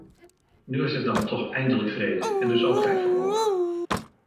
Nu is het dan toch eindelijk vrede, en dus ook tijd voor hoop.